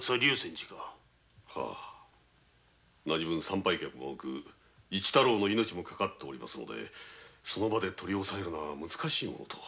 参拝客も多く一太郎の命もかかっておりますのでその場で取り押えるのは難しいものと。